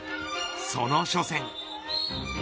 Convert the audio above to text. その初戦。